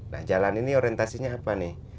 nah jalan ini orientasinya apa nih